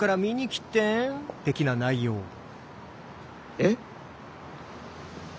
えっ。